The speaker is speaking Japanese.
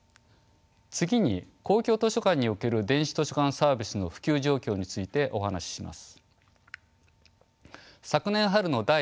次に公共図書館における電子図書館サービスの普及状況についてお話しします。